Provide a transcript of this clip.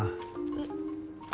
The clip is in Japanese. えっ？